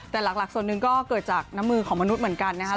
แต่หลักส่วนหนึ่งก็เกิดจากน้ำมือของมนุษย์เหมือนกันนะครับ